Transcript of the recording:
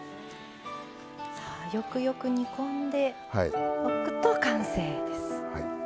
さあよくよく煮込んでおくと完成です。